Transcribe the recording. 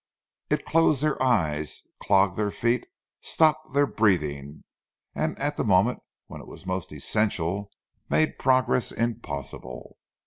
It closed their eyes, clogged their feet, stopped their breathing, and at the moment when it was most essential, made progress impossible.